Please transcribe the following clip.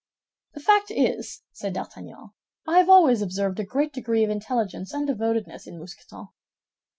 "The fact is," said D'Artagnan, "I have always observed a great degree of intelligence and devotedness in Mousqueton."